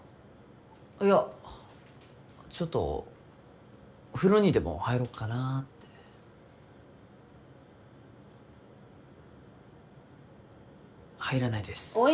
いやちょっと風呂にでも入ろっかなって入らないですおい